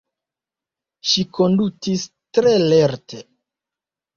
Ŝi kondutis tre lerte.